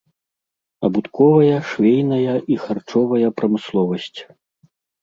Абутковая, швейная і харчовая прамысловасць.